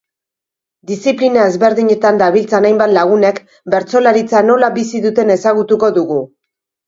Diziplina ezberdinetan dabiltzan hainbat lagunek bertsolaritza nola bizi duten ezagutuko dugu.